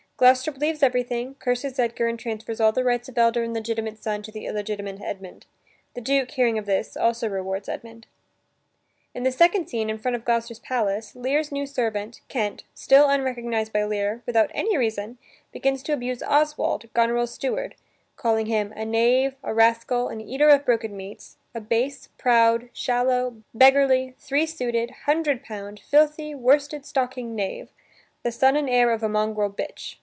Gloucester believes everything, curses Edgar and transfers all the rights of the elder and legitimate son to the illegitimate Edmund. The Duke, hearing of this, also rewards Edmund. In the second scene, in front of Gloucester's palace, Lear's new servant, Kent, still unrecognized by Lear, without any reason, begins to abuse Oswald, Goneril's steward, calling him, "A knave, a rascal, an eater of broken meats; a base, proud, shallow, beggarly, three suited, hundred pound, filthy, worsted stocking knave; the son and heir of a mongrel bitch."